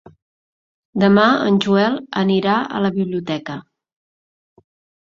Demà en Joel anirà a la biblioteca.